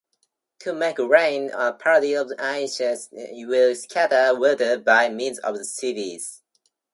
To make rain a party of Ainus will scatter water by means of sieves.